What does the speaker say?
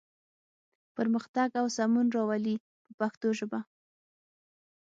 پرمختګ او سمون راولي په پښتو ژبه.